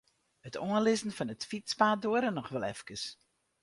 It oanlizzen fan it fytspaad duorre noch wol efkes.